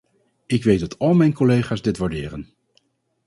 Ik weet dat al mijn collega's dit waarderen.